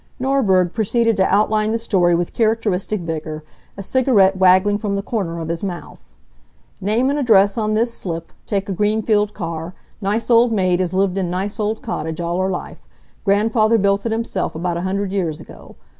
Norberg proceeded to outline the story with characteristic vigor, a cigarette waggling from the corner of his mouth. "Name and address on this slip. Take a Greenfield car. Nice old maid has lived in nice old cottage all her life. Grandfather built it himself about a hundred years ago.